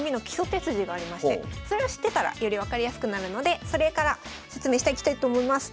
手筋がありましてそれを知ってたらより分かりやすくなるのでそれから説明していきたいと思います。